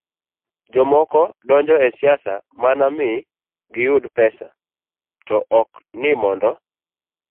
Jomoko donjo e siasa mana ni mondo giyud pesa to ok ni mondo